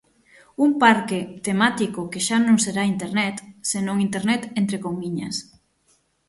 Un parque temático que xa non será Internet, senón Internet entre comiñas.